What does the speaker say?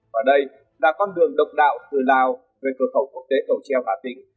và đây là con đường độc đạo từ lào về cửa khẩu quốc tế cầu treo hà tĩnh